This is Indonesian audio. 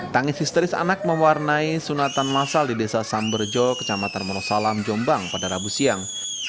tangis histeris anak mewarnai sunatan masal di desa samberjo kecamatan monosalam jombang pada rabu siang